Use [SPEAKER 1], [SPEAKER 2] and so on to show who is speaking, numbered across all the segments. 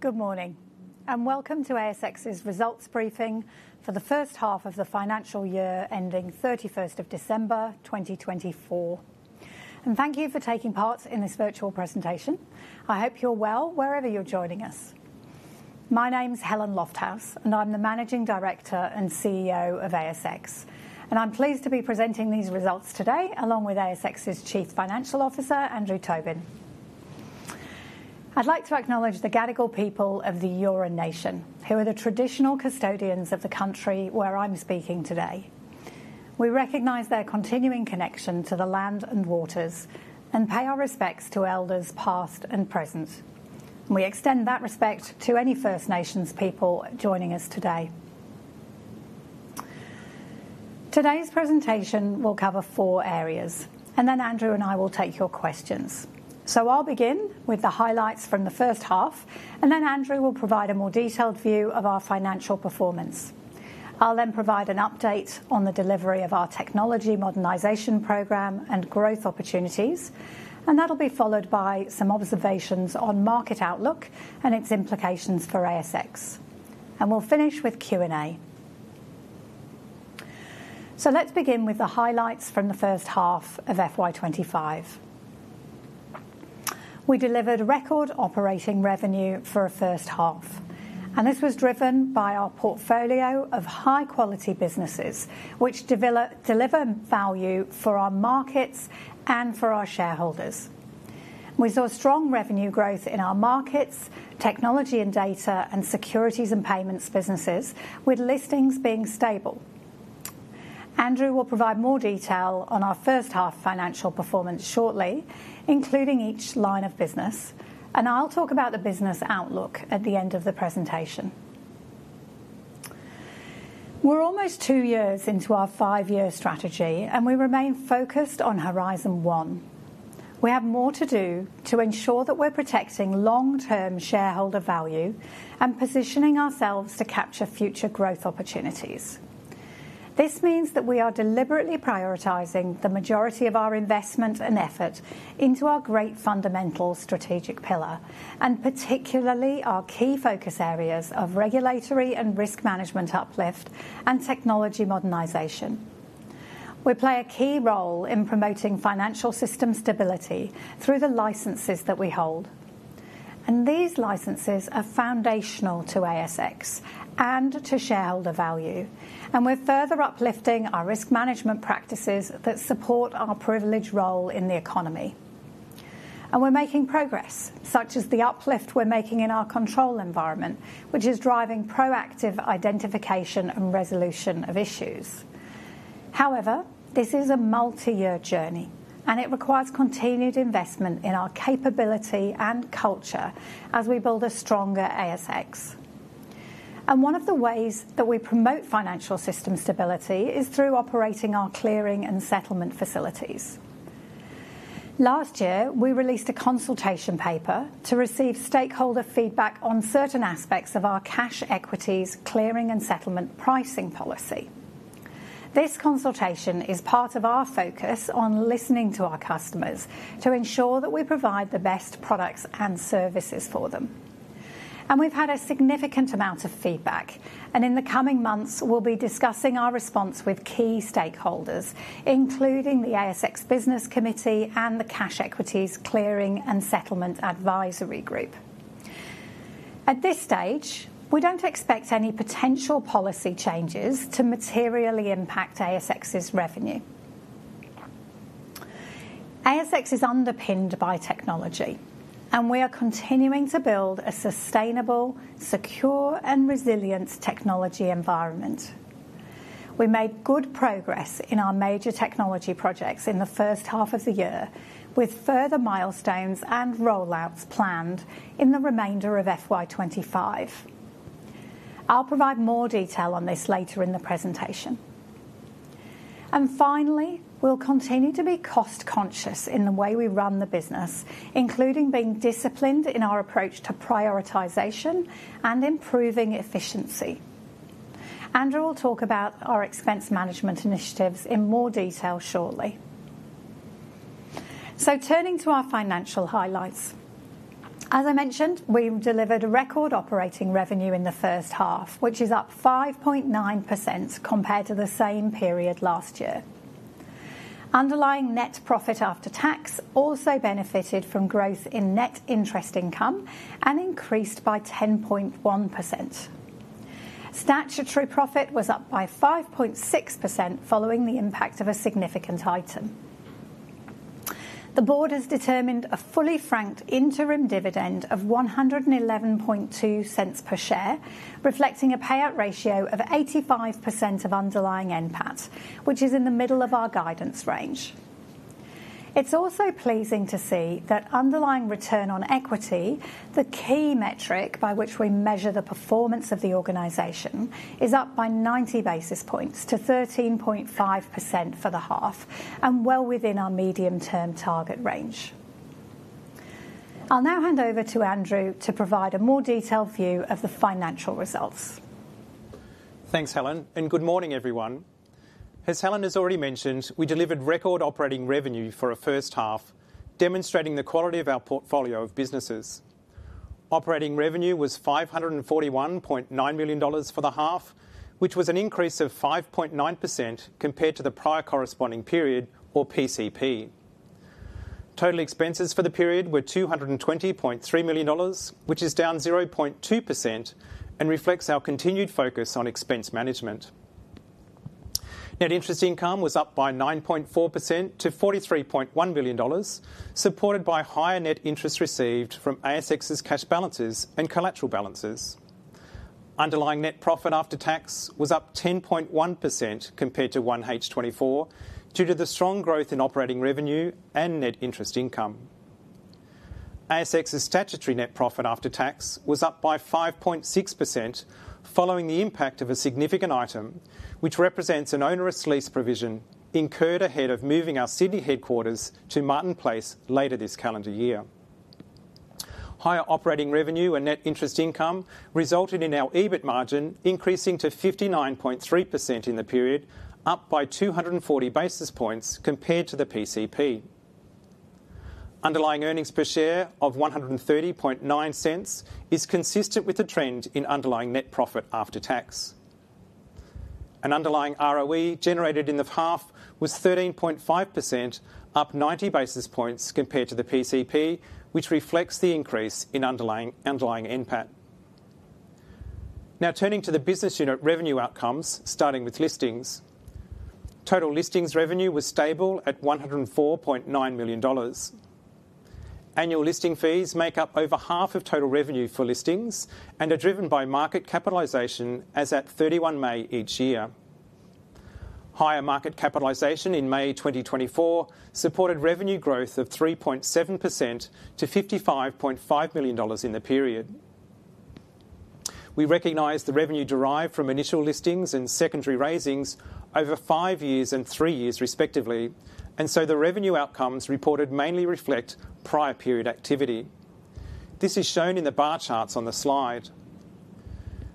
[SPEAKER 1] Good morning, and welcome to ASX's results briefing for the first half of the Financial Year Ending 31st of December, 2024. Thank you for taking part in this virtual presentation. I hope you're well wherever you're joining us. My name's Helen Lofthouse, and I'm the Managing Director and CEO of ASX. I'm pleased to be presenting these results today along with ASX's Chief Financial Officer, Andrew Tobin. I'd like to acknowledge the Gadigal people of the Eora Nation, who are the traditional custodians of the country where I'm speaking today. We recognize their continuing connection to the land and waters and pay our respects to elders past and present. We extend that respect to any First Nations people joining us today. Today's presentation will cover four areas, and then Andrew and I will take your questions. So I'll begin with the highlights from the first half, and then Andrew will provide a more detailed view of our financial performance. I'll then provide an update on the delivery of our technology modernization program and growth opportunities, and that'll be followed by some observations on market outlook and its implications for ASX. And we'll finish with Q&A. So let's begin with the highlights from the first half of FY25. We delivered record operating revenue for a first half, and this was driven by our portfolio of high-quality businesses, which deliver value for our markets and for our shareholders. We saw strong revenue growth in our markets, Technology and Data, and Securities and Payments businesses, with Listings being stable. Andrew will provide more detail on our first half financial performance shortly, including each line of business, and I'll talk about the business outlook at the end of the presentation. We're almost two years into our five-year strategy, and we remain focused on Horizon One. We have more to do to ensure that we're protecting long-term shareholder value and positioning ourselves to capture future growth opportunities. This means that we are deliberately prioritizing the majority of our investment and effort into our great fundamental strategic pillar, and particularly our key focus areas of regulatory and risk management uplift and technology modernization. We play a key role in promoting financial system stability through the licenses that we hold. And these licenses are foundational to ASX and to shareholder value, and we're further uplifting our risk management practices that support our privileged role in the economy. And we're making progress, such as the uplift we're making in our control environment, which is driving proactive identification and resolution of issues. However, this is a multi-year journey, and it requires continued investment in our capability and culture as we build a stronger ASX. And one of the ways that we promote financial system stability is through operating our clearing and settlement facilities. Last year, we released a consultation paper to receive stakeholder feedback on certain aspects of our Cash Equities Clearing and Settlement Pricing Policy. This consultation is part of our focus on listening to our customers to ensure that we provide the best products and services for them. And we've had a significant amount of feedback, and in the coming months, we'll be discussing our response with key stakeholders, including the ASX Business Committee and the Cash Equities Clearing and Settlement Advisory Group. At this stage, we don't expect any potential policy changes to materially impact ASX's revenue. ASX is underpinned by technology, and we are continuing to build a sustainable, secure, and resilient technology environment. We made good progress in our major technology projects in the first half of the year, with further milestones and rollouts planned in the remainder of FY25. I'll provide more detail on this later in the presentation. And finally, we'll continue to be cost-conscious in the way we run the business, including being disciplined in our approach to prioritization and improving efficiency. Andrew will talk about our expense management initiatives in more detail shortly. So turning to our financial highlights, as I mentioned, we delivered record operating revenue in the first half, which is up 5.9% compared to the same period last year. Underlying net profit after tax also benefited from growth in net interest income and increased by 10.1%. Statutory profit was up by 5.6% following the impact of a significant item. The board has determined a fully franked interim dividend of 1.112 per share, reflecting a payout ratio of 85% of underlying NPAT, which is in the middle of our guidance range. It's also pleasing to see that underlying return on equity, the key metric by which we measure the performance of the organization, is up by 90 basis points to 13.5% for the half, and well within our medium-term target range. I'll now hand over to Andrew to provide a more detailed view of the financial results.
[SPEAKER 2] Thanks, Helen, and good morning, everyone. As Helen has already mentioned, we delivered record operating revenue for a first half, demonstrating the quality of our portfolio of businesses. Operating revenue was 541.9 million dollars for the half, which was an increase of 5.9% compared to the prior corresponding period, or PCP. Total expenses for the period were 220.3 million dollars, which is down 0.2% and reflects our continued focus on expense management. Net interest income was up by 9.4% to 43.1 million dollars, supported by higher net interest received from ASX's cash balances and collateral balances. Underlying net profit after tax was up 10.1% compared to 1H24 due to the strong growth in operating revenue and net interest income. ASX's statutory net profit after tax was up by 5.6% following the impact of a significant item, which represents an onerous lease provision incurred ahead of moving our Sydney headquarters to Martin Place later this calendar year. Higher operating revenue and net interest income resulted in our EBIT margin increasing to 59.3% in the period, up by 240 basis points compared to the PCP. Underlying earnings per share of 1.309 is consistent with the trend in underlying net profit after tax. An underlying ROE generated in the half was 13.5%, up 90 basis points compared to the PCP, which reflects the increase in underlying NPAT. Now turning to the business unit revenue outcomes, starting with Listings. Total Listings revenue was stable at 104.9 million dollars. Annual listing fees make up over half of total revenue for Listings and are driven by market capitalization as at 31 May each year. Higher market capitalization in May 2024 supported revenue growth of 3.7% to 55.5 million dollars in the period. We recognize the revenue derived from initial Listings and secondary raisings over five years and three years, respectively, and so the revenue outcomes reported mainly reflect prior period activity. This is shown in the bar charts on the slide.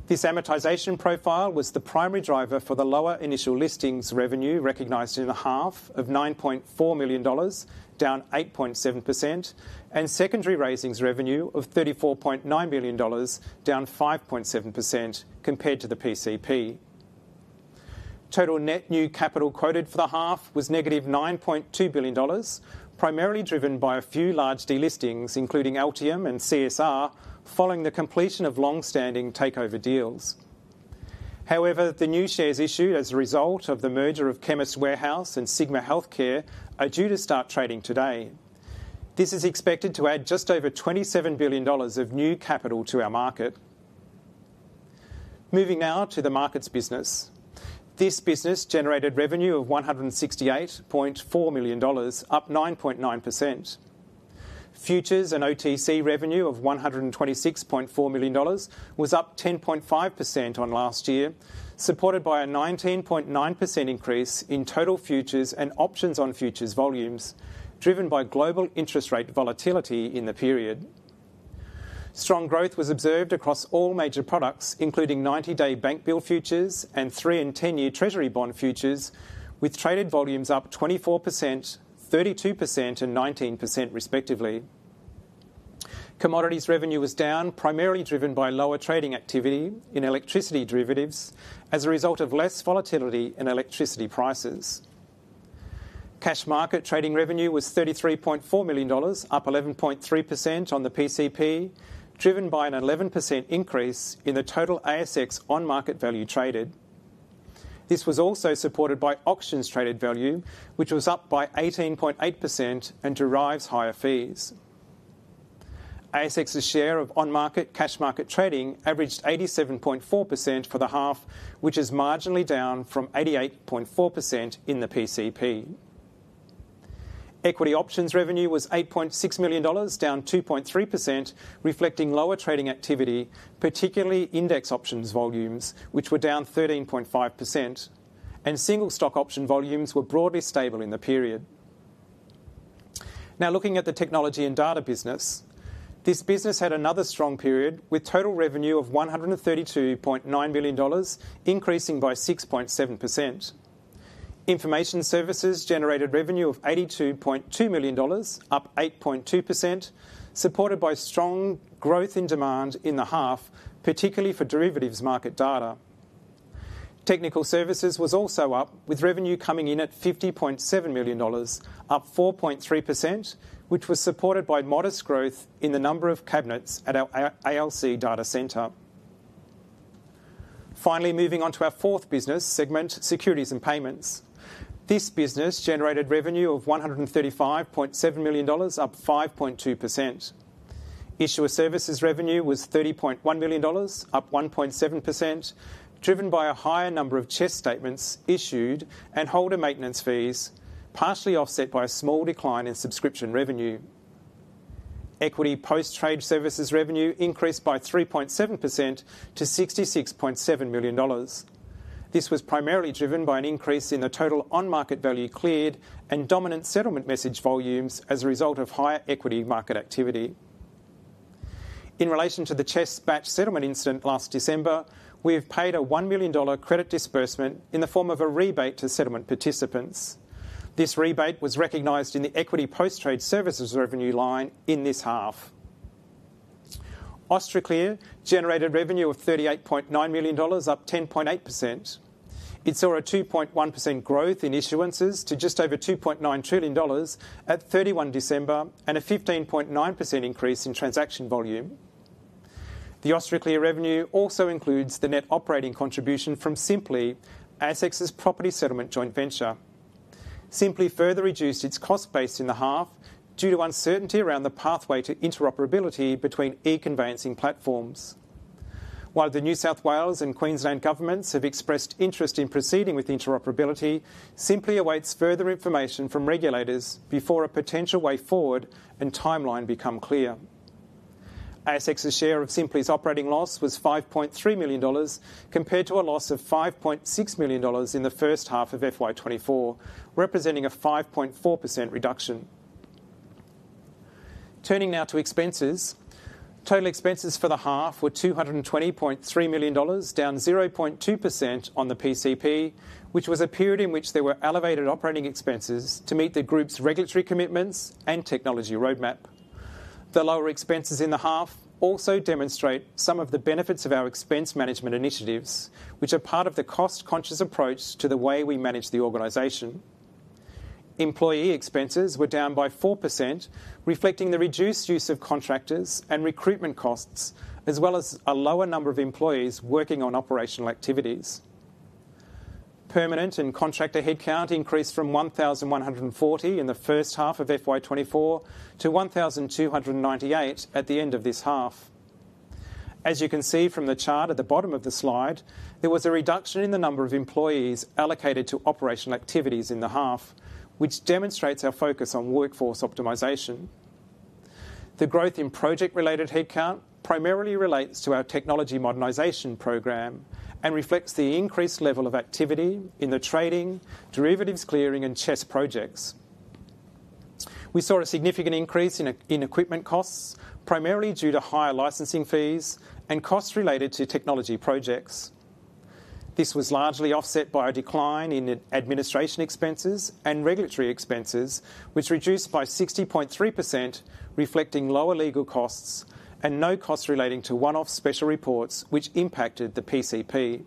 [SPEAKER 2] This amortization profile was the primary driver for the lower initial Listings revenue recognized in the half of 9.4 million dollars, down 8.7%, and secondary raisings revenue of 34.9 million dollars, down 5.7% compared to the PCP. Total net new capital quoted for the half was negative 9.2 billion dollars, primarily driven by a few large delistings, including Altium and CSR, following the completion of long-standing takeover deals. However, the new shares issued as a result of the merger of Chemist Warehouse and Sigma Healthcare are due to start trading today. This is expected to add just over 27 billion dollars of new capital to our market. Moving now to the Markets business. This business generated revenue of 168.4 million dollars, up 9.9%. Futures and OTC revenue of 126.4 million dollars was up 10.5% on last year, supported by a 19.9% increase in total futures and options on futures volumes, driven by global interest rate volatility in the period. Strong growth was observed across all major products, including 90-day bank bill futures and three and 10-year Treasury bond futures, with traded volumes up 24%, 32%, and 19%, respectively. Commodities revenue was down, primarily driven by lower trading activity in electricity derivatives as a result of less volatility in electricity prices. Cash Market Trading revenue was 33.4 million dollars, up 11.3% on the PCP, driven by an 11% increase in the total ASX on-market value traded. This was also supported by options traded value, which was up by 18.8% and derives higher fees. ASX's share of on-market Cash Market Trading averaged 87.4% for the half, which is marginally down from 88.4% in the PCP. Equity Options revenue was 8.6 million dollars, down 2.3%, reflecting lower trading activity, particularly index options volumes, which were down 13.5%, and single stock option volumes were broadly stable in the period. Now looking at the Technology and Data business, this business had another strong period with total revenue of 132.9 million dollars, increasing by 6.7%. Information Services generated revenue of 82.2 million dollars, up 8.2%, supported by strong growth in demand in the half, particularly for derivatives market data. Technical Services was also up, with revenue coming in at 50.7 million dollars, up 4.3%, which was supported by modest growth in the number of cabinets at our ALC data center. Finally, moving on to our fourth business segment, Securities and Payments. This business generated revenue of 135.7 million dollars, up 5.2%. Issuer Services revenue was 30.1 million dollars, up 1.7%, driven by a higher number of CHESS statements issued and holder maintenance fees, partially offset by a small decline in subscription revenue. Equity Post-Trade Services revenue increased by 3.7% to 66.7 million dollars. This was primarily driven by an increase in the total on-market value cleared and domestic settlement message volumes as a result of higher equity market activity. In relation to the CHESS batch settlement incident last December, we have paid a 1 million dollar credit disbursement in the form of a rebate to settlement participants. This rebate was recognized in the Equity Post-Trade Services revenue line in this half. Austraclear generated revenue of 38.9 million dollars, up 10.8%. It saw a 2.1% growth in issuances to just over 2.9 trillion dollars at 31 December and a 15.9% increase in transaction volume. The Austraclear revenue also includes the net operating contribution from Sympli, ASX's property settlement joint venture. Sympli further reduced its cost base in the half due to uncertainty around the pathway to interoperability between e-conveyancing platforms. While the New South Wales and Queensland governments have expressed interest in proceeding with interoperability, Sympli awaits further information from regulators before a potential way forward and timeline become clear. ASX's share of Sympli's operating loss was 5.3 million dollars compared to a loss of 5.6 million dollars in the first half of FY24, representing a 5.4% reduction. Turning now to expenses. Total expenses for the half were 220.3 million dollars, down 0.2% on the PCP, which was a period in which there were elevated operating expenses to meet the group's regulatory commitments and technology roadmap. The lower expenses in the half also demonstrate some of the benefits of our expense management initiatives, which are part of the cost-conscious approach to the way we manage the organization. Employee expenses were down by 4%, reflecting the reduced use of contractors and recruitment costs, as well as a lower number of employees working on operational activities. Permanent and contractor headcount increased from 1,140 in the first half of FY24 to 1,298 at the end of this half. As you can see from the chart at the bottom of the slide, there was a reduction in the number of employees allocated to operational activities in the half, which demonstrates our focus on workforce optimization. The growth in project-related headcount primarily relates to our technology modernization program and reflects the increased level of activity in the trading, derivatives clearing, and CHESS projects. We saw a significant increase in equipment costs, primarily due to higher licensing fees and costs related to technology projects. This was largely offset by a decline in administration expenses and regulatory expenses, which reduced by 60.3%, reflecting lower legal costs and no costs relating to one-off special reports, which impacted the PCP.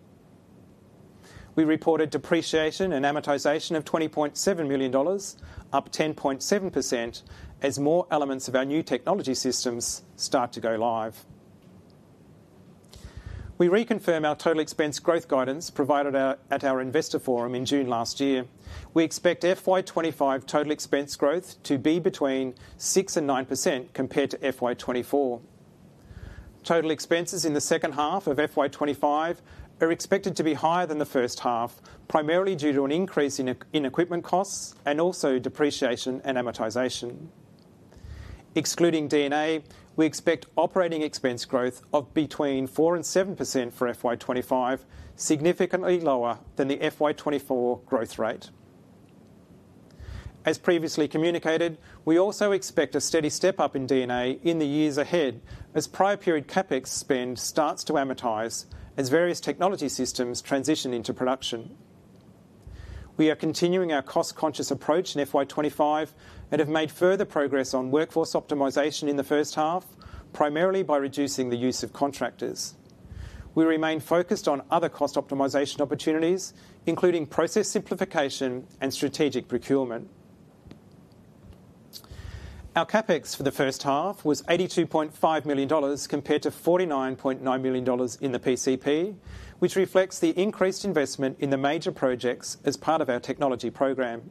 [SPEAKER 2] We reported depreciation and amortization of 20.7 million dollars, up 10.7%, as more elements of our new technology systems start to go live. We reconfirm our total expense growth guidance provided at our investor forum in June last year. We expect FY25 total expense growth to be between 6% and 9% compared to FY24. Total expenses in the second half of FY25 are expected to be higher than the first half, primarily due to an increase in equipment costs and also depreciation and amortization. Excluding D&A, we expect operating expense growth of between 4% and 7% for FY25, significantly lower than the FY24 growth rate. As previously communicated, we also expect a steady step up in D&A in the years ahead as prior-period CapEx spend starts to amortize as various technology systems transition into production. We are continuing our cost-conscious approach in FY25 and have made further progress on workforce optimization in the first half, primarily by reducing the use of contractors. We remain focused on other cost optimization opportunities, including process simplification and strategic procurement. Our CapEx for the first half was AUD 82.5 million compared to AUD 49.9 million in the PCP, which reflects the increased investment in the major projects as part of our technology program.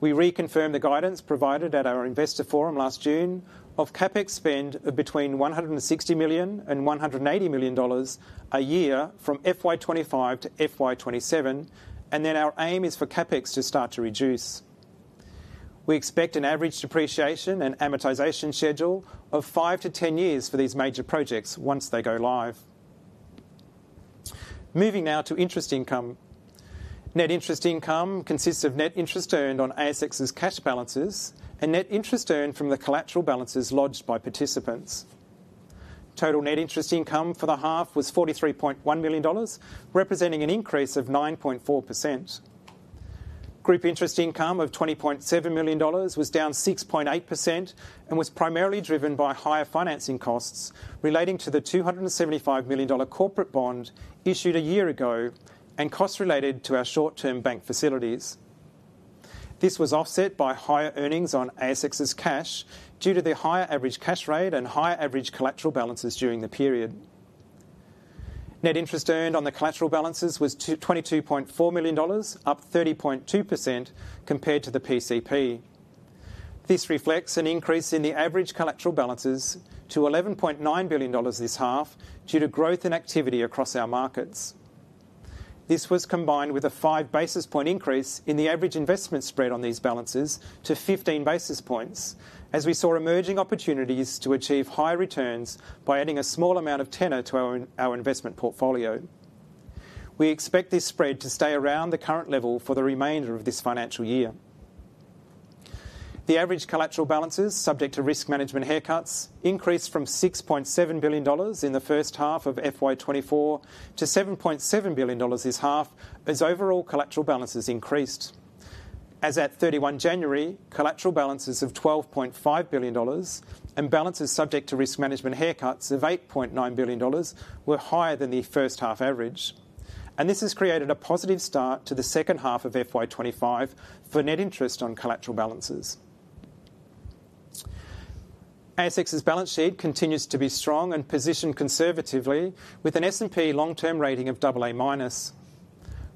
[SPEAKER 2] We reconfirm the guidance provided at our investor forum last June of CapEx spend of between 160 million and 180 million dollars a year from FY25 to FY27, and that our aim is for CapEx to start to reduce. We expect an average depreciation and amortization schedule of 5 to 10 years for these major projects once they go live. Moving now to interest income. Net interest income consists of net interest earned on ASX's cash balances and net interest earned from the collateral balances lodged by participants. Total net interest income for the half was 43.1 million dollars, representing an increase of 9.4%. Group interest income of 20.7 million dollars was down 6.8% and was primarily driven by higher financing costs relating to the 275 million dollar corporate bond issued a year ago and costs related to our short-term bank facilities. This was offset by higher earnings on ASX's cash due to the higher average cash rate and higher average collateral balances during the period. Net interest earned on the collateral balances was 22.4 million dollars, up 30.2% compared to the PCP. This reflects an increase in the average collateral balances to 11.9 billion dollars this half due to growth in activity across our Markets. This was combined with a five basis point increase in the average investment spread on these balances to 15 basis points, as we saw emerging opportunities to achieve higher returns by adding a small amount of tenor to our investment portfolio. We expect this spread to stay around the current level for the remainder of this financial year. The average collateral balances, subject to risk management haircuts, increased from 6.7 billion dollars in the first half of FY24 to 7.7 billion dollars this half as overall collateral balances increased. As at 31 January, collateral balances of 12.5 billion dollars and balances subject to risk management haircuts of 8.9 billion dollars were higher than the first half average, and this has created a positive start to the second half of FY25 for net interest on collateral balances. ASX's balance sheet continues to be strong and positioned conservatively, with an S&P long-term rating of AA minus.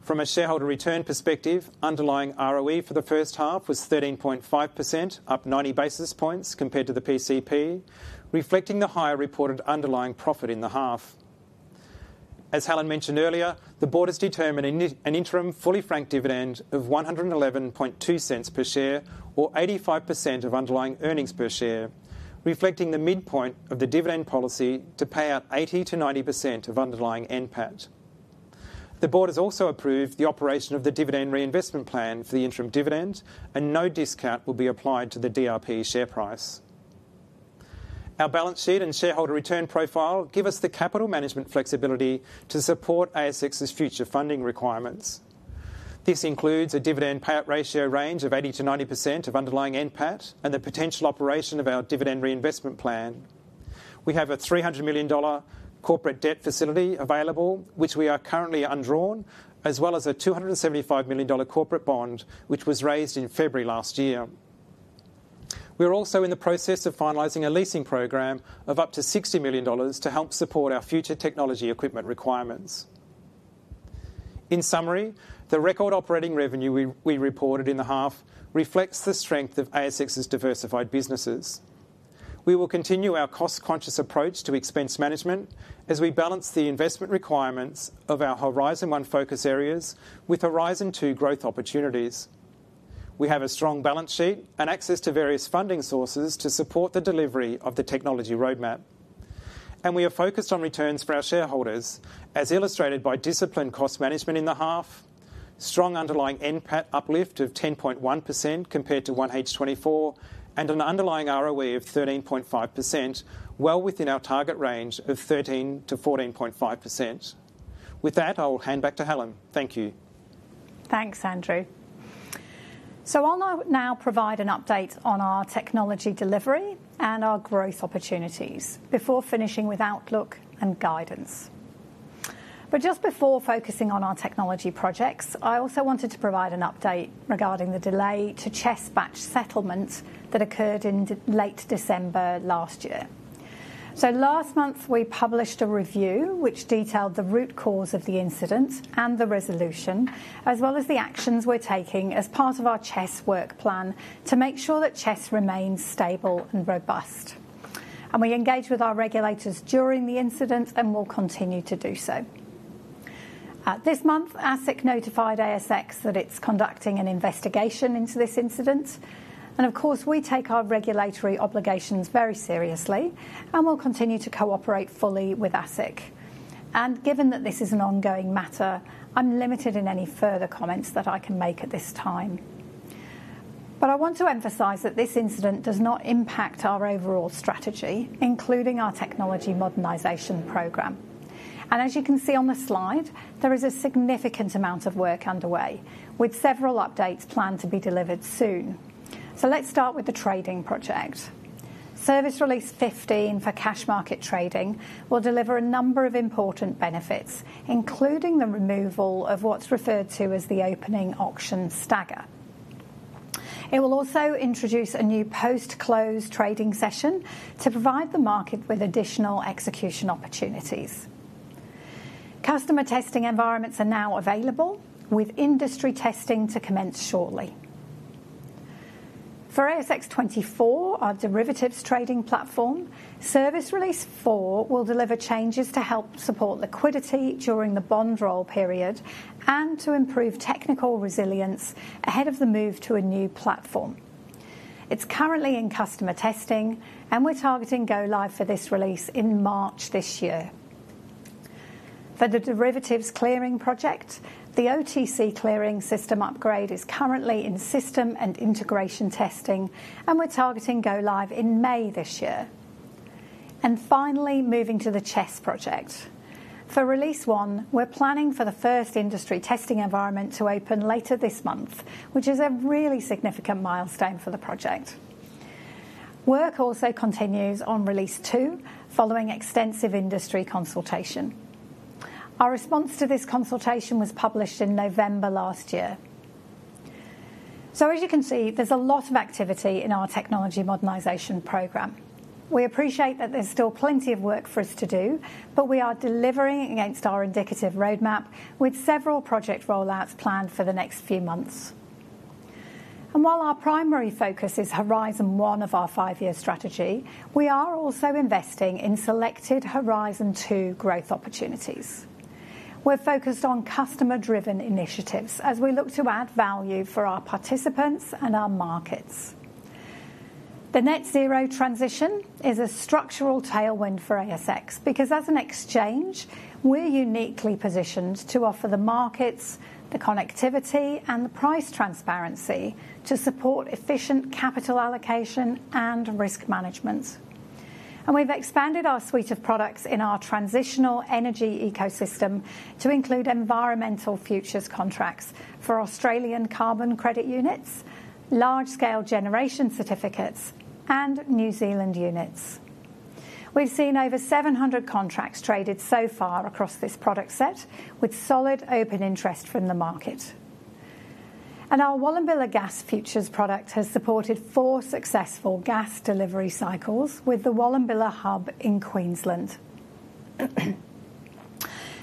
[SPEAKER 2] From a shareholder return perspective, underlying ROE for the first half was 13.5%, up 90 basis points compared to the PCP, reflecting the higher reported underlying profit in the half. As Helen mentioned earlier, the board has determined an interim fully franked dividend of 111.20 per share, or 85% of underlying earnings per share, reflecting the midpoint of the dividend policy to pay out 80% to 90% of underlying NPAT. The board has also approved the operation of the dividend reinvestment plan for the interim dividend, and no discount will be applied to the DRP share price. Our balance sheet and shareholder return profile give us the capital management flexibility to support ASX's future funding requirements. This includes a dividend payout ratio range of 80% to 90% of underlying NPAT and the potential operation of our dividend reinvestment plan. We have a 300 million dollar corporate debt facility available, which we are currently undrawn, as well as a 275 million dollar corporate bond, which was raised in February last year. We are also in the process of finalizing a leasing program of up to 60 million dollars to help support our future technology equipment requirements. In summary, the record operating revenue we reported in the half reflects the strength of ASX's diversified businesses. We will continue our cost-conscious approach to expense management as we balance the investment requirements of our Horizon One focus areas with Horizon Two growth opportunities. We have a strong balance sheet and access to various funding sources to support the delivery of the technology roadmap, and we are focused on returns for our shareholders, as illustrated by disciplined cost management in the half, strong underlying NPAT uplift of 10.1% compared to 1H24, and an underlying ROE of 13.5%, well within our target range of 13%-14.5%. With that, I will hand back to Helen. Thank you.
[SPEAKER 1] Thanks, Andrew. So I'll now provide an update on our technology delivery and our growth opportunities before finishing with outlook and guidance. But just before focusing on our technology projects, I also wanted to provide an update regarding the delay to CHESS batch settlement that occurred in late December last year. So last month, we published a review which detailed the root cause of the incident and the resolution, as well as the actions we're taking as part of our CHESS work plan to make sure that CHESS remains stable and robust. And we engaged with our regulators during the incident and will continue to do so. This month, ASIC notified ASX that it's conducting an investigation into this incident, and of course, we take our regulatory obligations very seriously and will continue to cooperate fully with ASIC. And given that this is an ongoing matter, I'm limited in any further comments that I can make at this time. But I want to emphasize that this incident does not impact our overall strategy, including our technology modernization program. And as you can see on the slide, there is a significant amount of work underway with several updates planned to be delivered soon. So let's start with the trading project. Service Release 15 for Cash Market Trading will deliver a number of important benefits, including the removal of what's referred to as the Opening Auction Stagger. It will also introduce a new post-close trading session to provide the market with additional execution opportunities. Customer testing environments are now available with industry testing to commence shortly. For ASX 24, our derivatives trading platform, Service Release 4 will deliver changes to help support liquidity during the bond roll period and to improve technical resilience ahead of the move to a new platform. It's currently in customer testing, and we're targeting go-live for this release in March this year. For the derivatives clearing project, the OTC clearing system upgrade is currently in system and integration testing, and we're targeting go-live in May this year. And finally, moving to the CHESS project. For release 1, we're planning for the first industry testing environment to open later this month, which is a really significant milestone for the project. Work also continues on Release 2 following extensive industry consultation. Our response to this consultation was published in November last year. So as you can see, there's a lot of activity in our technology modernization program. We appreciate that there's still plenty of work for us to do, but we are delivering against our indicative roadmap with several project rollouts planned for the next few months. And while our primary focus is Horizon One of our five-year strategy, we are also investing in selected Horizon Two growth opportunities. We're focused on customer-driven initiatives as we look to add value for our participants and our Markets. The net zero transition is a structural tailwind for ASX because, as an exchange, we're uniquely positioned to offer the Markets, the connectivity, and the price transparency to support efficient capital allocation and risk management. And we've expanded our suite of products in our transitional energy ecosystem to include environmental futures contracts for Australian Carbon Credit Units, Large-Scale Generation Certificates, and New Zealand Units. We've seen over 700 contracts traded so far across this product set with solid open interest from the market, and our Wallumbilla Gas Futures product has supported four successful gas delivery cycles with the Wallumbilla Hub in Queensland.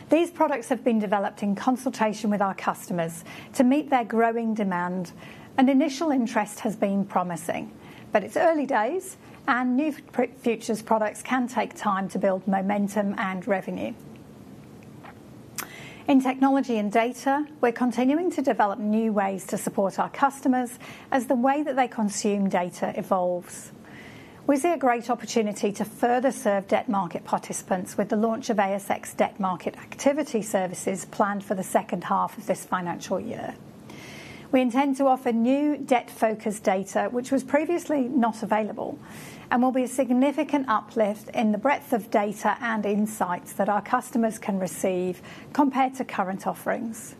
[SPEAKER 1] These products have been developed in consultation with our customers to meet their growing demand, and initial interest has been promising, but it's early days, and new futures products can take time to build momentum and revenue. In Technology and Data, we're continuing to develop new ways to support our customers as the way that they consume data evolves. We see a great opportunity to further serve debt market participants with the launch of ASX Debt Market Activity Services planned for the second half of this financial year. We intend to offer new debt-focused data, which was previously not available, and will be a significant uplift in the breadth of data and insights that our customers can receive compared to current offerings.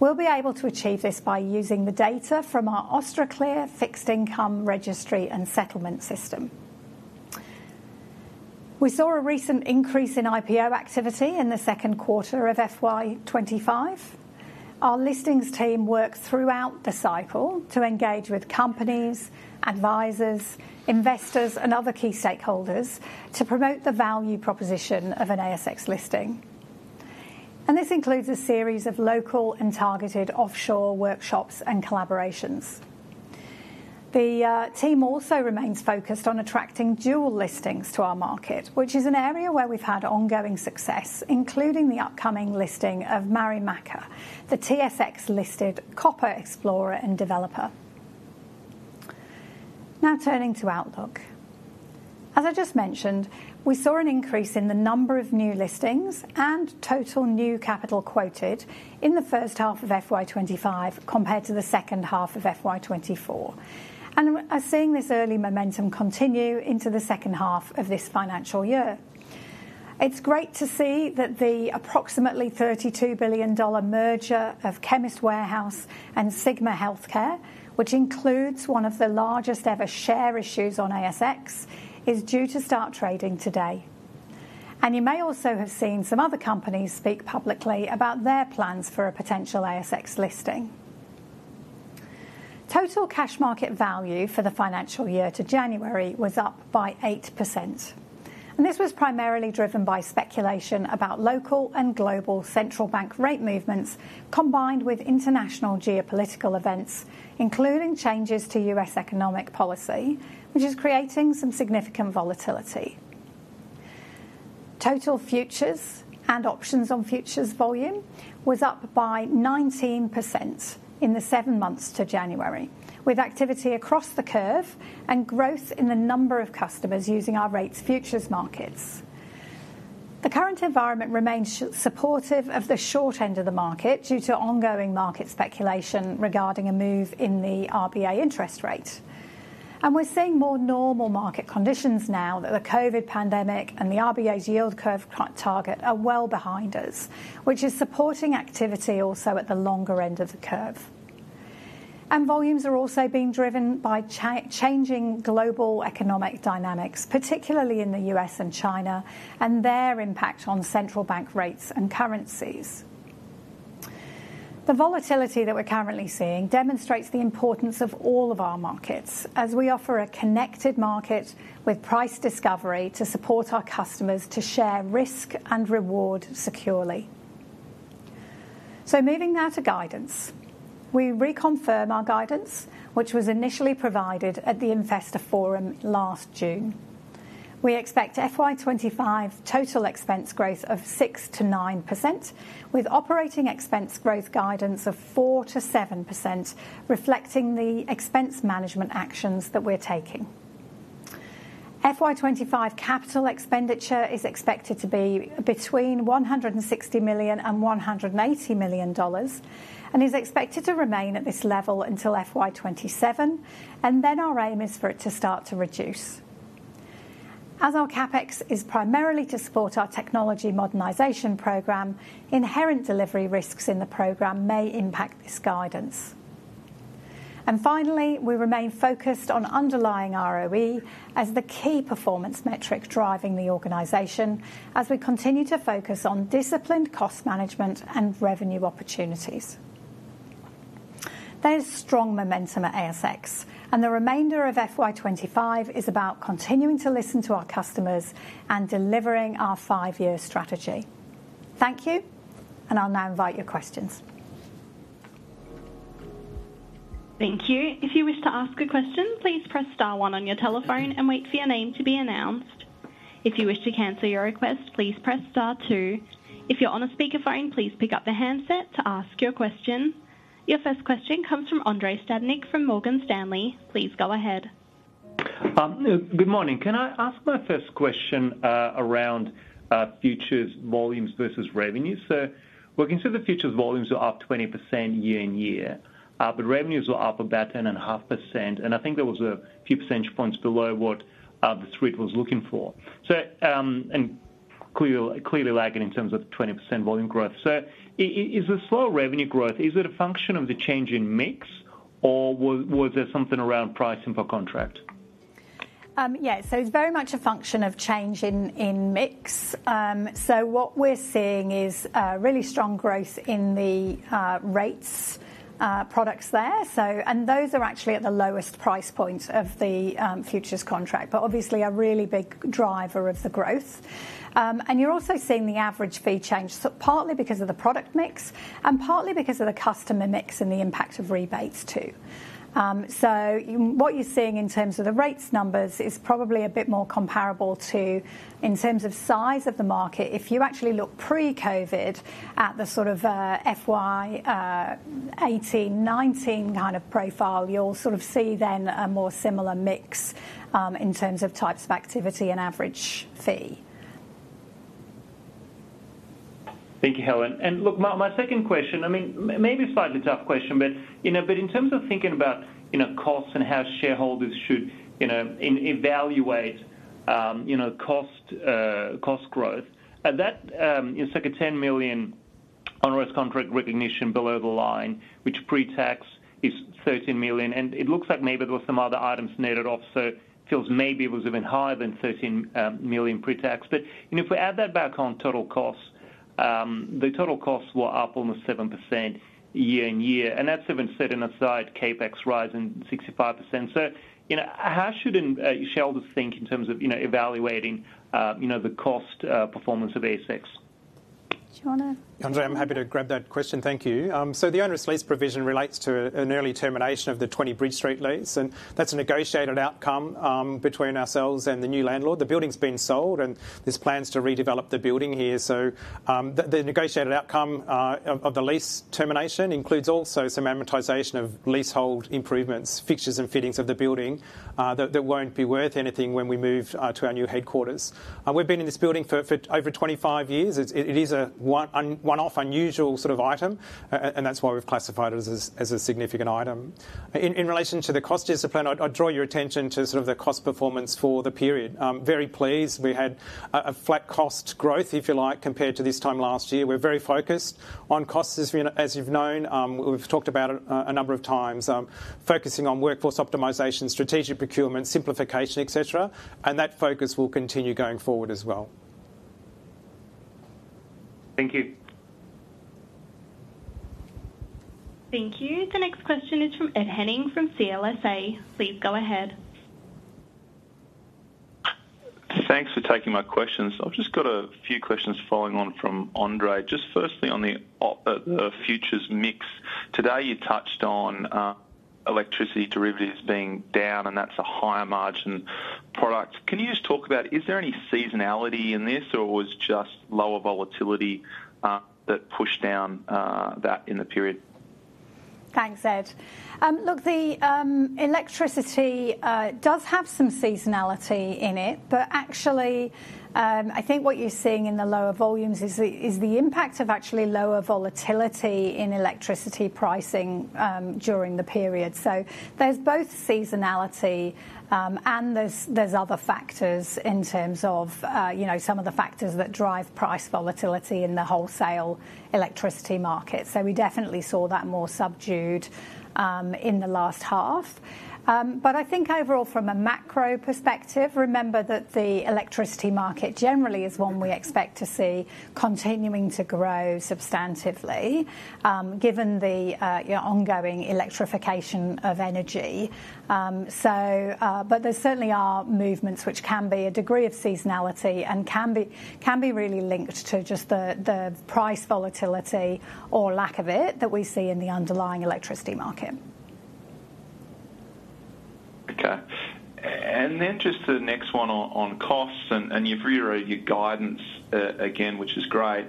[SPEAKER 1] We'll be able to achieve this by using the data from our Austraclear fixed income registry and settlement system. We saw a recent increase in IPO activity in the second quarter of FY25. Our Listings team worked throughout the cycle to engage with companies, advisors, investors, and other key stakeholders to promote the value proposition of an ASX listing, and this includes a series of local and targeted offshore workshops and collaborations. The team also remains focused on attracting dual Listings to our market, which is an area where we've had ongoing success, including the upcoming listing of Marimaca, the TSX-listed copper explorer and developer. Now turning to outlook. As I just mentioned, we saw an increase in the number of new Listings and total new capital quoted in the first half of FY25 compared to the second half of FY24, and we're seeing this early momentum continue into the second half of this financial year. It's great to see that the approximately 32 billion dollar merger of Chemist Warehouse and Sigma Healthcare, which includes one of the largest ever share issues on ASX, is due to start trading today, and you may also have seen some other companies speak publicly about their plans for a potential ASX listing. Total Cash Market Value for the financial year to January was up by 8%, and this was primarily driven by speculation about local and global central bank rate movements combined with international geopolitical events, including changes to U.S. economic policy, which is creating some significant volatility. Total futures and options on futures volume was up by 19% in the seven months to January, with activity across the curve and growth in the number of customers using our rates futures Markets. The current environment remains supportive of the short end of the market due to ongoing market speculation regarding a move in the RBA interest rate, and we're seeing more normal market conditions now that the COVID pandemic and the RBA's yield curve target are well behind us, which is supporting activity also at the longer end of the curve, and volumes are also being driven by changing global economic dynamics, particularly in the United States and China and their impact on central bank rates and currencies. The volatility that we're currently seeing demonstrates the importance of all of our Markets as we offer a connected market with price discovery to support our customers to share risk and reward securely. So moving now to guidance. We reconfirm our guidance, which was initially provided at the Investor Forum last June. We expect FY25 total expense growth of 6%-9%, with operating expense growth guidance of 4%-7%, reflecting the expense management actions that we're taking. FY25 capital expenditure is expected to be between 160 million and 180 million dollars and is expected to remain at this level until FY27, and then our aim is for it to start to reduce. As our CapEx is primarily to support our technology modernization program, inherent delivery risks in the program may impact this guidance. And finally, we remain focused on underlying ROE as the key performance metric driving the organization as we continue to focus on disciplined cost management and revenue opportunities. There's strong momentum at ASX, and the remainder of FY25 is about continuing to listen to our customers and delivering our five-year strategy. Thank you, and I'll now invite your questions.
[SPEAKER 3] Thank you. If you wish to ask a question, please press star one on your telephone and wait for your name to be announced. If you wish to cancel your request, please press star two. If you're on a speakerphone, please pick up the handset to ask your question. Your first question comes from Andrei Stadnik from Morgan Stanley. Please go ahead.
[SPEAKER 4] Good morning. Can I ask my first question around futures volumes versus revenues? We're considering the futures volumes are up 20% year in year, but revenues were up about 10.5%. I think there was a few percentage points below what the Street was looking for, and clearly lagging in terms of 20% volume growth. Is the slow revenue growth a function of the change in mix, or was there something around pricing per contract?
[SPEAKER 1] Yeah, so it's very much a function of change in mix. What we're seeing is really strong growth in the rates products there. Those are actually at the lowest price point of the futures contract, but obviously a really big driver of the growth. You're also seeing the average fee change, partly because of the product mix and partly because of the customer mix and the impact of rebates too. What you're seeing in terms of the rates numbers is probably a bit more comparable to in terms of size of the market. If you actually look pre-COVID at the sort of FY18, 19 kind of profile, you'll sort of see then a more similar mix in terms of types of activity and average fee.
[SPEAKER 4] Thank you, Helen. Look, my second question, I mean, maybe a slightly tough question, but in terms of thinking about costs and how shareholders should evaluate cost growth, that you're seeing 10 million on risk contract recognition below the line, which pre-tax is 13 million. And it looks like maybe there were some other items netted off, so it feels maybe it was even higher than 13 million pre-tax. But if we add that back on total costs, the total costs were up almost 7% year in year, and that's even setting aside CapEx rising 65%. So how should shareholders think in terms of evaluating the cost performance of ASX?
[SPEAKER 2] Andrei, I'm happy to grab that question. Thank you. So the onerous lease provision relates to an early termination of the 20 Bridge Street lease, and that's a negotiated outcome between ourselves and the new landlord. The building's been sold, and there's plans to redevelop the building here. So the negotiated outcome of the lease termination includes also some amortization of leasehold improvements, fixtures, and fittings of the building that won't be worth anything when we move to our new headquarters. We've been in this building for over 25 years. It is a one-off, unusual sort of item, and that's why we've classified it as a significant item. In relation to the cost discipline, I'd draw your attention to sort of the cost performance for the period. Very pleased. We had a flat cost growth, if you like, compared to this time last year. We're very focused on costs, as you've known. We've talked about it a number of times, focusing on workforce optimization, strategic procurement, simplification, etc., and that focus will continue going forward as well.
[SPEAKER 4] Thank you.
[SPEAKER 3] Thank you. The next question is from Ed Henning from CLSA. Please go ahead.
[SPEAKER 5] Thanks for taking my questions. I've just got a few questions following on from Andrei. Just firstly, on the futures mix, today you touched on electricity derivatives being down, and that's a higher margin product. Can you just talk about, is there any seasonality in this, or was it just lower volatility that pushed down that in the period?
[SPEAKER 1] Thanks, Ed. Look, the electricity does have some seasonality in it, but actually, I think what you're seeing in the lower volumes is the impact of actually lower volatility in electricity pricing during the period. So there's both seasonality and there's other factors in terms of some of the factors that drive price volatility in the wholesale electricity market. So we definitely saw that more subdued in the last half. But I think overall, from a macro perspective, remember that the electricity market generally is one we expect to see continuing to grow substantially given the ongoing electrification of energy. But there certainly are movements which can be a degree of seasonality and can be really linked to just the price volatility or lack of it that we see in the underlying electricity market.
[SPEAKER 5] Okay. And then just the next one on costs, and you've reiterated your guidance again, which is great.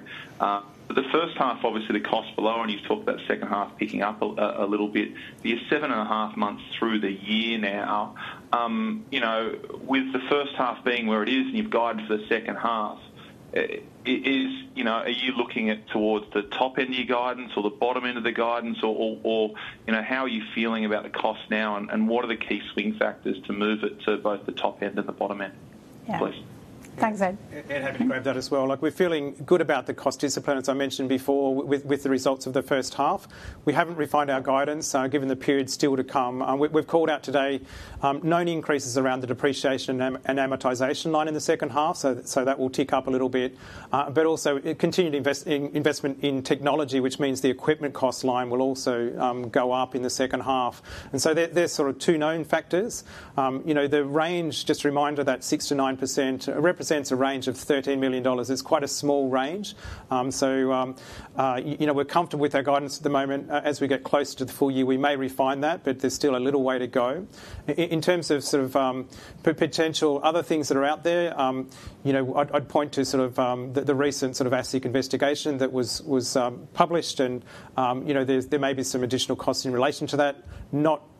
[SPEAKER 5] The first half, obviously, the costs below, and you've talked about the second half picking up a little bit. You're seven and a half months through the year now. With the first half being where it is and you've guided for the second half, are you looking towards the top end of your guidance or the bottom end of the guidance, or how are you feeling about the cost now, and what are the key swing factors to move it to both the top end and the bottom end?
[SPEAKER 1] Thanks, Ed.
[SPEAKER 2] Ed, happy to grab that as well. Look, we're feeling good about the cost discipline, as I mentioned before, with the results of the first half. We haven't refined our guidance given the period still to come. We've called out today known increases around the depreciation and amortization line in the second half, so that will tick up a little bit. But also continued investment in technology, which means the equipment cost line will also go up in the second half. And so there's sort of two known factors. The range, just a reminder, that 6%-9% represents a range of 13 million dollars. It's quite a small range. So we're comfortable with our guidance at the moment. As we get close to the full year, we may refine that, but there's still a little way to go. In terms of sort of potential other things that are out there, I'd point to sort of the recent sort of ASIC investigation that was published, and there may be some additional costs in relation to that.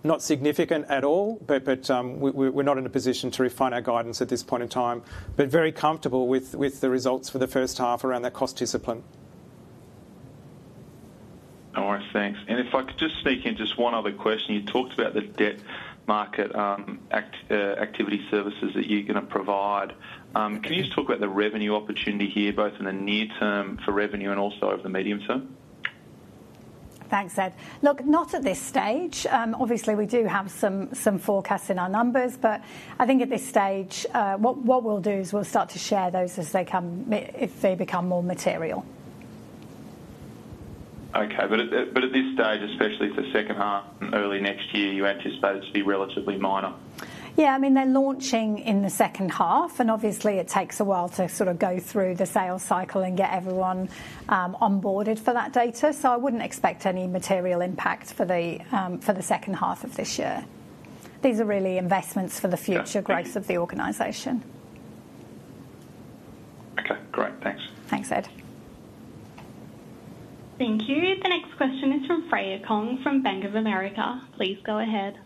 [SPEAKER 2] Not significant at all, but we're not in a position to refine our guidance at this point in time, but very comfortable with the results for the first half around that cost discipline.
[SPEAKER 5] All right, thanks. And if I could just sneak in just one other question. You talked about the Debt Market Activity Services that you're going to provide. Can you just talk about the revenue opportunity here, both in the near term for revenue and also over the medium term?
[SPEAKER 1] Thanks, Ed. Look, not at this stage. Obviously, we do have some forecasts in our numbers, but I think at this stage, what we'll do is we'll start to share those as they become more material.
[SPEAKER 5] Okay, but at this stage, especially for the second half and early next year, you anticipate it to be relatively minor?
[SPEAKER 1] Yeah, I mean, they're launching in the second half, and obviously, it takes a while to sort of go through the sales cycle and get everyone onboarded for that data. So I wouldn't expect any material impact for the second half of this year. These are really investments for the future growth of the organization.
[SPEAKER 5] Okay, great. Thanks.
[SPEAKER 1] Thanks, Ed.
[SPEAKER 3] Thank you. The next question is from Freya Kong from Bank of America. Please go ahead.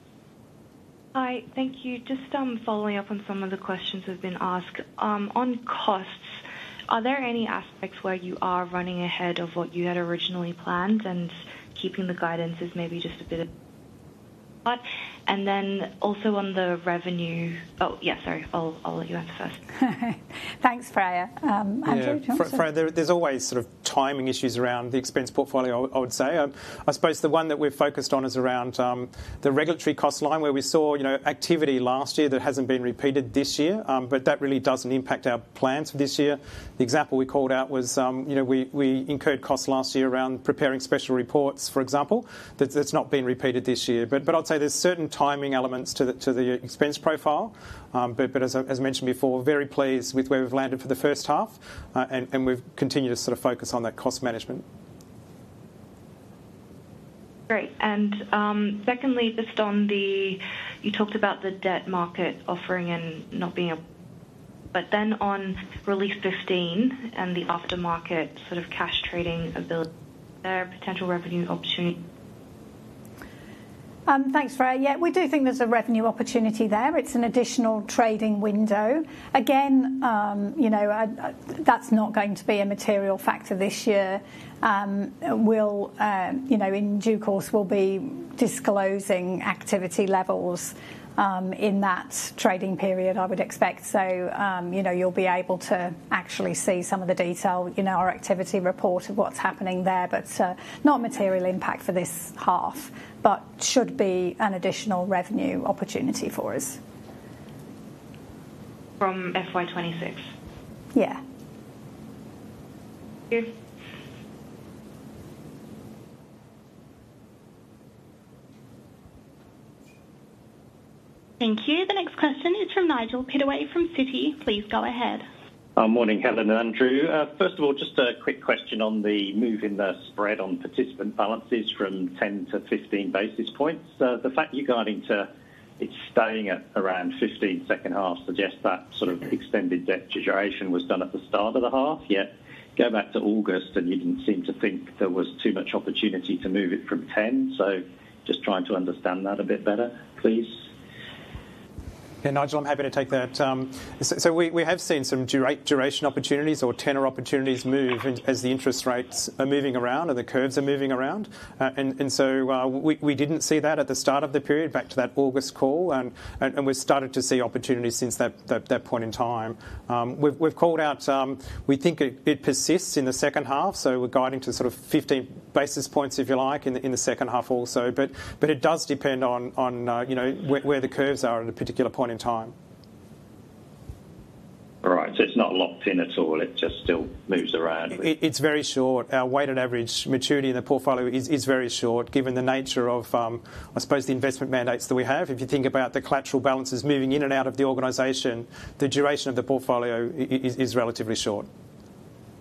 [SPEAKER 6] Hi, thank you. Just following up on some of the questions we've been asked. On costs, are there any aspects where you are running ahead of what you had originally planned and keeping the guidance as maybe just a bit? And then also on the revenue. Oh, yeah, sorry. I'll let you answer first. Thanks, Freya. Andrew?
[SPEAKER 2] Freya, there's always sort of timing issues around the expense portfolio, I would say. I suppose the one that we've focused on is around the regulatory cost line where we saw activity last year that hasn't been repeated this year, but that really doesn't impact our plans for this year. The example we called out was we incurred costs last year around preparing special reports, for example. That's not been repeated this year. But I'd say there's certain timing elements to the expense profile. But as I mentioned before, very pleased with where we've landed for the first half, and we've continued to sort of focus on that cost management.
[SPEAKER 6] Great. And secondly, just on, you talked about the debt market offering and not being able to but then on Release 15 and the aftermarket sort of cash trading ability, is there a potential revenue opportunity?
[SPEAKER 1] Thanks, Freya. Yeah, we do think there's a revenue opportunity there. It's an additional trading window. Again, that's not going to be a material factor this year. In due course, we'll be disclosing activity levels in that trading period, I would expect. So you'll be able to actually see some of the detail in our activity report of what's happening there, but not a material impact for this half, but should be an additional revenue opportunity for us.
[SPEAKER 6] From FY26?
[SPEAKER 1] Yeah.
[SPEAKER 3] Thank you. The next question is from Nigel Pittaway from Citi. Please go ahead.
[SPEAKER 7] Morning, Helen and Andrew. First of all, just a quick question on the move in the spread on participant balances from 10 to 15 basis points. The fact you're guiding to it staying at around 15 second half suggests that sort of extended debt duration was done at the start of the half. Yeah, go back to August, and you didn't seem to think there was too much opportunity to move it from 10. So just trying to understand that a bit better, please.
[SPEAKER 2] Yeah, Nigel, I'm happy to take that. So we have seen some duration opportunities or tenor opportunities move as the interest rates are moving around and the curves are moving around. And so we didn't see that at the start of the period, back to that August call, and we've started to see opportunities since that point in time. We've called out, we think it persists in the second half, so we're guiding to sort of 15 basis points, if you like, in the second half also. But it does depend on where the curves are at a particular point in time.
[SPEAKER 7] All right, so it's not locked in at all. It just still moves around.
[SPEAKER 2] It's very short. Our weighted average maturity in the portfolio is very short, given the nature of, I suppose, the investment mandates that we have. If you think about the collateral balances moving in and out of the organization, the duration of the portfolio is relatively short.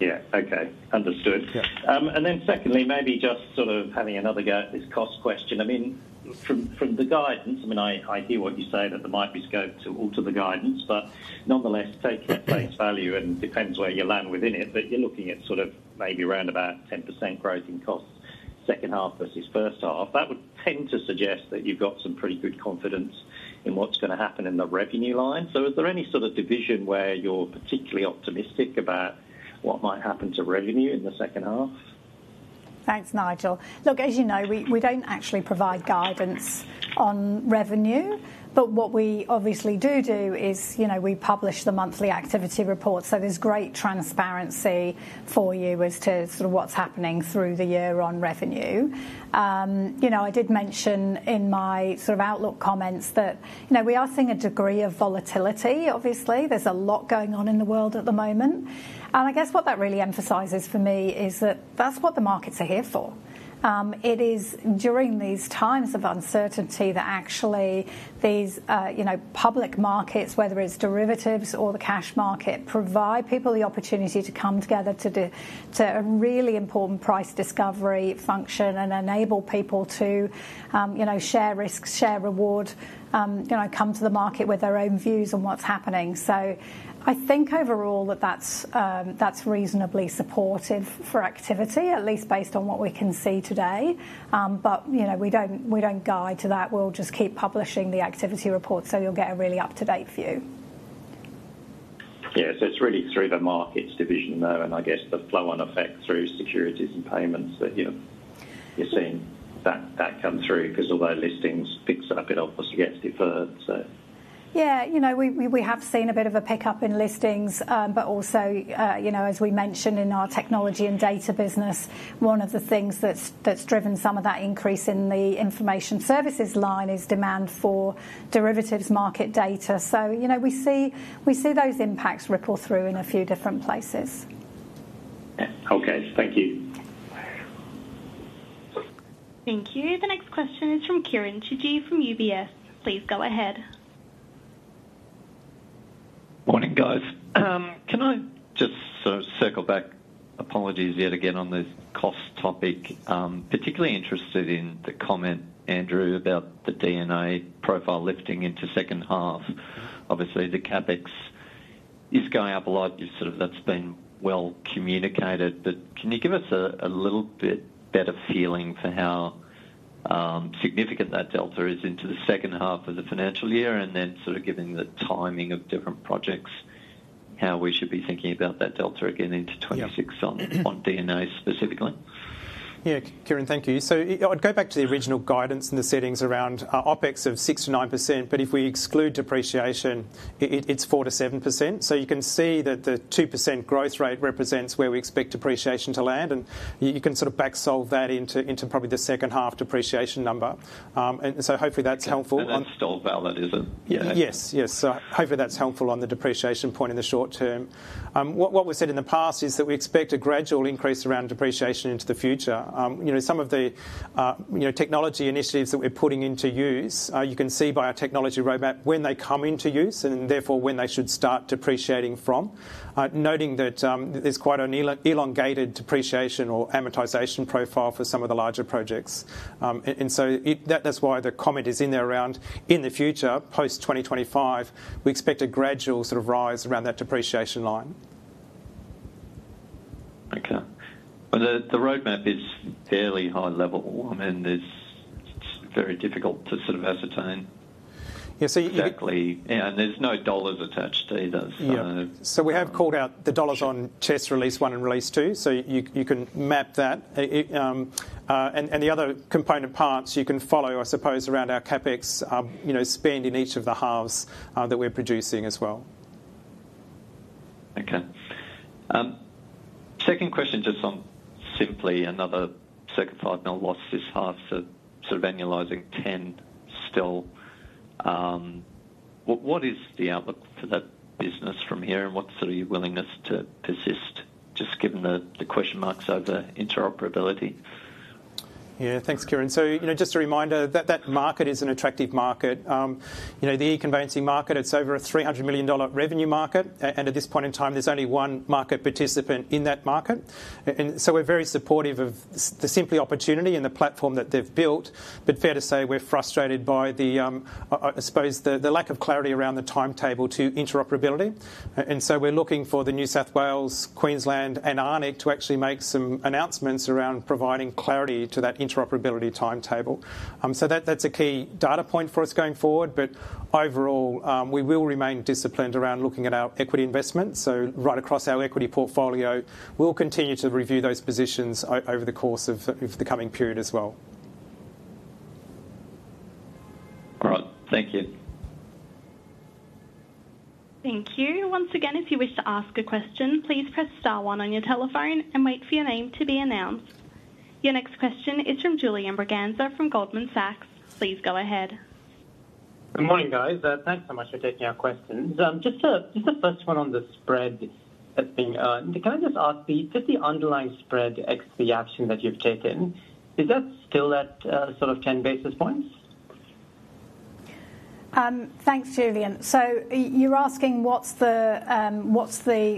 [SPEAKER 7] Yeah, okay. Understood. Then secondly, maybe just sort of having another go at this cost question. I mean, from the guidance, I mean, I hear what you say that there might be scope to alter the guidance, but nonetheless, taking at face value, and it depends where you land within it, but you're looking at sort of maybe around about 10% growth in costs, second half versus first half. That would tend to suggest that you've got some pretty good confidence in what's going to happen in the revenue line. Is there any sort of division where you're particularly optimistic about what might happen to revenue in the second half?
[SPEAKER 1] Thanks, Nigel. Look, as you know, we don't actually provide guidance on revenue, but what we obviously do do is we publish the monthly activity report, so there's great transparency for you as to sort of what's happening through the year on revenue. I did mention in my sort of outlook comments that we are seeing a degree of volatility. Obviously, there's a lot going on in the world at the moment. I guess what that really emphasizes for me is that that's what the Markets are here for. It is during these times of uncertainty that actually these public Markets, whether it's derivatives or the Cash Market, provide people the opportunity to come together to a really important price discovery function and enable people to share risks, share reward, come to the market with their own views on what's happening. So I think overall that that's reasonably supportive for activity, at least based on what we can see today. But we don't guide to that. We'll just keep publishing the activity report so you'll get a really up-to-date view.
[SPEAKER 7] Yeah, so it's really through the Markets division though, and I guess the flow-on effect through securities and payments that you're seeing that come through because although Listings pick up, it obviously gets deferred, so.
[SPEAKER 1] Yeah, we have seen a bit of a pickup in Listings, but also, as we mentioned in our Technology and Data business, one of the things that's driven some of that increase in the information services line is demand for derivatives market data. So we see those impacts ripple through in a few different places.
[SPEAKER 7] Okay, thank you.
[SPEAKER 3] Thank you. The next question is from Kiran Chhibber from UBS. Please go ahead.
[SPEAKER 8] Morning, guys. Can I just circle back? Apologies yet again on the cost topic. Particularly interested in the comment, Andrew, about the D&A profile lifting into second half. Obviously, the CapEx is going up a lot. That's been well communicated. But can you give us a little bit better feeling for how significant that delta is into the second half of the financial year and then sort of given the timing of different projects, how we should be thinking about that delta again into 2026 on D&A specifically?
[SPEAKER 2] Yeah, Kiran, thank you. So I'd go back to the original guidance and the settings around OpEx of 6%-9%, but if we exclude depreciation, it's 4%-7%. So you can see that the 2% growth rate represents where we expect depreciation to land, and you can sort of backsolve that into probably the second half depreciation number. And so hopefully that's helpful. And that's still valid, is it? Yeah. Yes, yes. So hopefully that's helpful on the depreciation point in the short term. What we've said in the past is that we expect a gradual increase around depreciation into the future. Some of the technology initiatives that we're putting into use, you can see by our technology roadmap when they come into use and therefore when they should start depreciating from. Noting that there's quite an elongated depreciation or amortization profile for some of the larger projects, and so that's why the comment is in there around, in the future, post-2025, we expect a gradual sort of rise around that depreciation line. Okay, but the roadmap is fairly high level. I mean, it's very difficult to sort of ascertain. Yeah, so you've got to.
[SPEAKER 8] Exactly, and there's no dollars attached to either.
[SPEAKER 2] Yeah. So we have called out the dollars on CHESS Release 1 and Release 2, so you can map that. And the other component parts you can follow, I suppose, around our CapEx spend in each of the halves that we're producing as well.
[SPEAKER 8] Okay. Second question, just on Sympli another second half, net loss this half, so sort of annualizing 10 still. What is the outlook for that business from here, and what's sort of your willingness to persist, just given the question marks over interoperability?
[SPEAKER 2] Yeah, thanks, Kiran. So just a reminder, that market is an attractive market. The e-conveyancing market, it's over a 300 million dollar revenue market, and at this point in time, there's only one market participant in that market. And so we're very supportive of the Sympli opportunity and the platform that they've built, but fair to say we're frustrated by, I suppose, the lack of clarity around the timetable to interoperability. We're looking for the New South Wales, Queensland, and the ACT to actually make some announcements around providing clarity to that interoperability timetable. So that's a key data point for us going forward, but overall, we will remain disciplined around looking at our equity investments. So right across our equity portfolio, we'll continue to review those positions over the course of the coming period as well.
[SPEAKER 8] All right, thank you.
[SPEAKER 3] Thank you. Once again, if you wish to ask a question, please press star one on your telephone and wait for your name to be announced. Your next question is from Julian Braganza from Goldman Sachs. Please go ahead.
[SPEAKER 9] Good morning, guys. Thanks so much for taking our questions. Just the first one on the spread that's being earned. Can I just ask the underlying spread ASX action that you've taken? Is that still at sort of 10 basis points?
[SPEAKER 1] Thanks, Julian. So you're asking what's the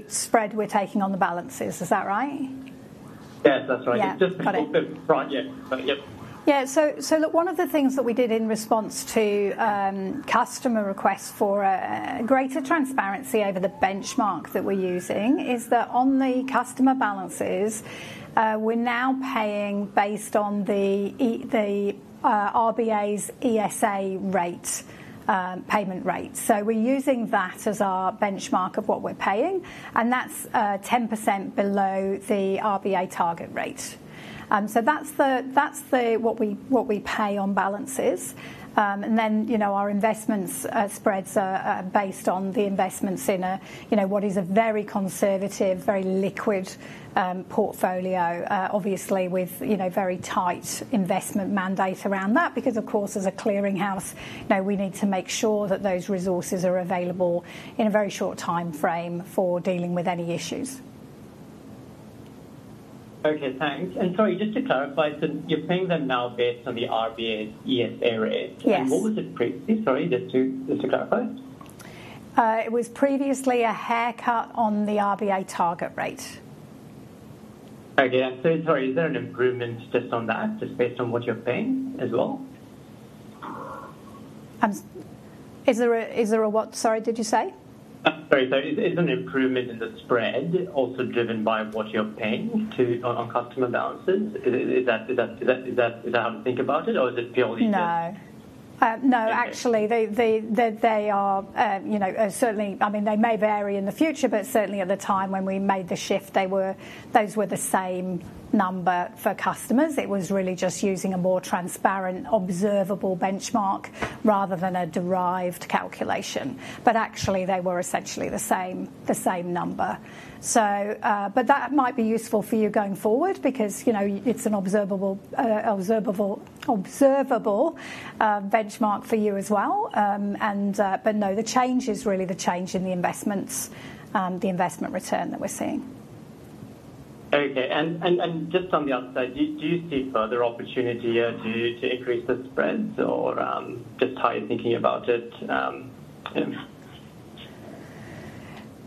[SPEAKER 1] spread we're taking on the balances. Is that right?
[SPEAKER 9] Yes, that's right. Just the corporate project. Yeah.
[SPEAKER 1] So look, one of the things that we did in response to customer requests for greater transparency over the benchmark that we're using is that on the customer balances, we're now paying based on the RBA's ESA payment rate. So we're using that as our benchmark of what we're paying, and that's 10% below the RBA target rate. So that's what we pay on balances. And then our investments spreads are based on the investments in what is a very conservative, very liquid portfolio, obviously with very tight investment mandates around that, because of course, as a clearing house, we need to make sure that those resources are available in a very short timeframe for dealing with any issues.
[SPEAKER 9] Okay, thanks. And sorry, just to clarify, so you're paying them now based on the RBA's ESA rate. And what was it previously? Sorry, just to clarify. It was previously a haircut on the RBA target rate. Okay, and sorry, is there an improvement just on that, just based on what you're paying as well?
[SPEAKER 1] Is there a what? Sorry, did you say?
[SPEAKER 9] Sorry, sorry. Is there an improvement in the spread also driven by what you're paying on customer balances? Is that how to think about it, or is it purely just?
[SPEAKER 1] No. No, actually, they are certainly, I mean, they may vary in the future, but certainly at the time when we made the shift, those were the same number for customers. It was really just using a more transparent, observable benchmark rather than a derived calculation, but actually, they were essentially the same number, but that might be useful for you going forward because it's an observable benchmark for you as well, but no, the change is really the change in the investments, the investment return that we're seeing.
[SPEAKER 9] Okay, and just on the OpEx side, do you see further opportunity to increase the spreads or just how you're thinking about it?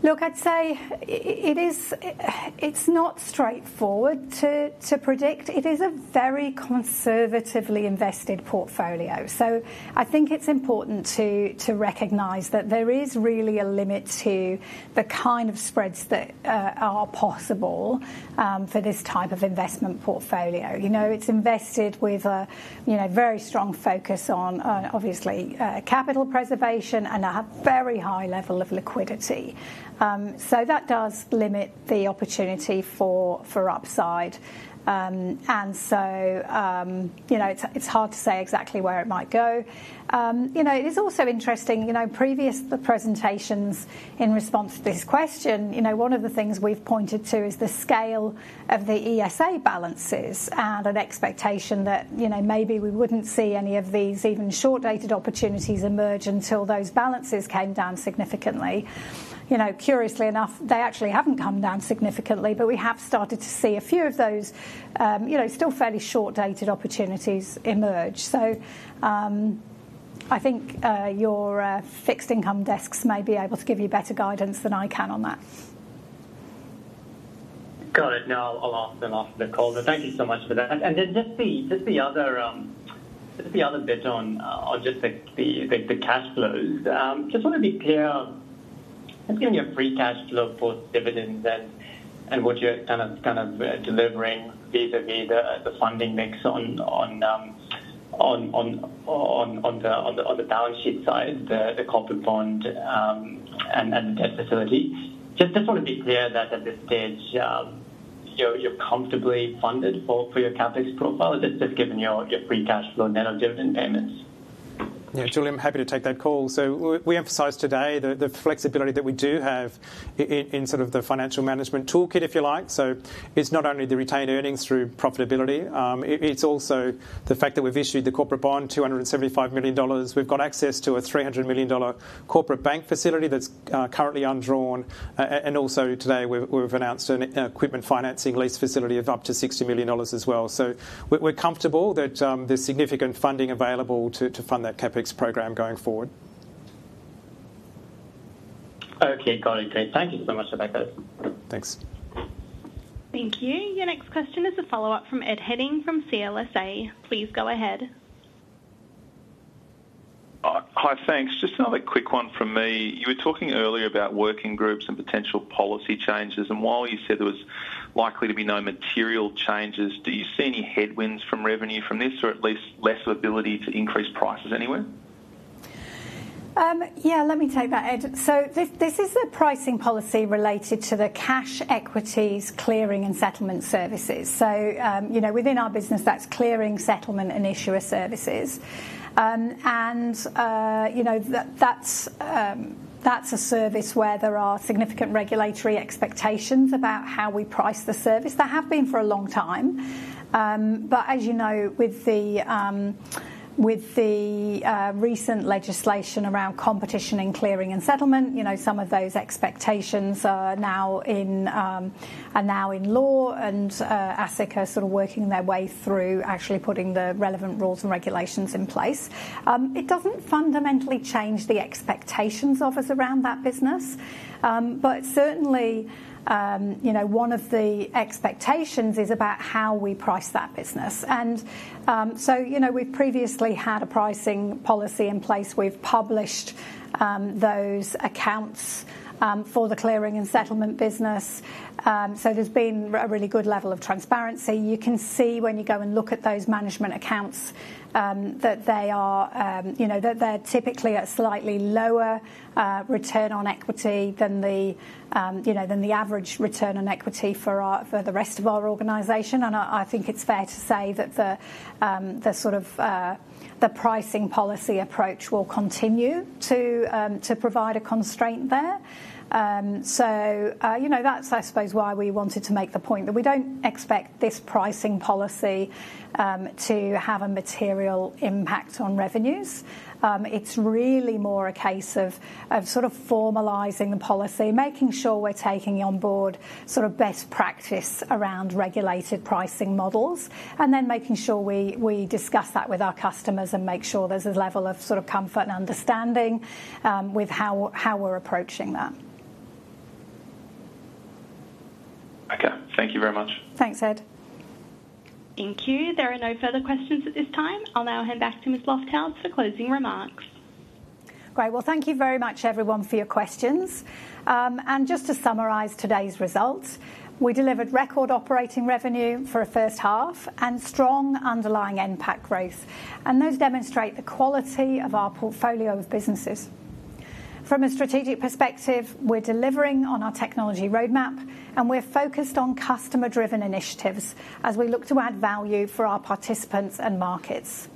[SPEAKER 1] Look, I'd say it's not straightforward to predict. It is a very conservatively invested portfolio. So I think it's important to recognize that there is really a limit to the kind of spreads that are possible for this type of investment portfolio. It's invested with a very strong focus on, obviously, capital preservation and a very high level of liquidity. So that does limit the opportunity for upside. And so it's hard to say exactly where it might go. It is also interesting. Previous presentations in response to this question, one of the things we've pointed to is the scale of the ESA balances and an expectation that maybe we wouldn't see any of these even short-dated opportunities emerge until those balances came down significantly. Curiously enough, they actually haven't come down significantly, but we have started to see a few of those still fairly short-dated opportunities emerge. So I think your fixed income desks may be able to give you better guidance than I can on that.
[SPEAKER 9] Got it. No, I'll ask them after the call. But thank you so much for that. And then just the other bit on just the cash flows. Just want to be clear. Let's give me a free cash flow for dividends and what you're kind of delivering vis-à-vis the funding mix on the balance sheet side, the corporate bond and the debt facility. Just want to be clear that at this stage, you're comfortably funded for your CapEx profile, just given your free cash flow net of dividend payments.
[SPEAKER 2] Yeah, Julian, I'm happy to take that call. So we emphasize today the flexibility that we do have in sort of the financial management toolkit, if you like. So it's not only the retained earnings through profitability. It's also the fact that we've issued the corporate bond, 275 million dollars. We've got access to a 300 million dollar corporate bank facility that's currently undrawn. And also today, we've announced an equipment financing lease facility of up to 60 million dollars as well. So we're comfortable that there's significant funding available to fund that CapEx program going forward.
[SPEAKER 9] Okay, got it. Thank you so much, Andrew.
[SPEAKER 2] Thanks.
[SPEAKER 3] Thank you. Your next question is a follow-up from Ed Henning from CLSA. Please go ahead.
[SPEAKER 5] Hi, thanks. Just another quick one from me. You were talking earlier about working groups and potential policy changes. And while you said there was likely to be no material changes, do you see any headwinds from revenue from this or at least less ability to increase prices anywhere?
[SPEAKER 1] Yeah, let me take that, Ed. This is a pricing policy related to the cash equities clearing and settlement services. Within our business, that's clearing, settlement, and issuer services. That's a service where there are significant regulatory expectations about how we price the service. There have been for a long time. As you know, with the recent legislation around competition and clearing and settlement, some of those expectations are now in law, and ASIC are sort of working their way through actually putting the relevant rules and regulations in place. It doesn't fundamentally change the expectations of us around that business, but certainly one of the expectations is about how we price that business. We've previously had a pricing policy in place. We've published those accounts for the clearing and settlement business. There's been a really good level of transparency. You can see when you go and look at those management accounts that they're typically at slightly lower return on equity than the average return on equity for the rest of our organization. And I think it's fair to say that the sort of pricing policy approach will continue to provide a constraint there. So that's, I suppose, why we wanted to make the point that we don't expect this pricing policy to have a material impact on revenues. It's really more a case of sort of formalizing the policy, making sure we're taking on board sort of best practice around regulated pricing models, and then making sure we discuss that with our customers and make sure there's a level of sort of comfort and understanding with how we're approaching that.
[SPEAKER 5] Okay, thank you very much.
[SPEAKER 1] Thanks, Ed. Thank you.
[SPEAKER 3] There are no further questions at this time. I'll now hand back to Ms. Lofthouse for closing remarks.
[SPEAKER 2] Great. Well, thank you very much, everyone, for your questions. And just to summarize today's results, we delivered record operating revenue for a first half and strong underlying EBIT growth. And those demonstrate the quality of our portfolio of businesses. From a strategic perspective, we're delivering on our technology roadmap, and we're focused on customer-driven initiatives as we look to add value for our participants and Markets.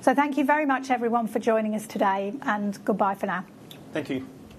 [SPEAKER 2] So thank you very much, everyone, for joining us today, and goodbye for now. Thank you.